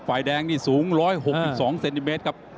ฝ่ายแดงนี่สูง๑๖๒เซนติเมตรครับ